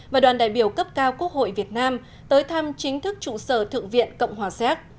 và đoàn đại biểu cấp cao quốc hội việt nam tới thăm chính thức trụ sở thượng viện cộng hòa xéc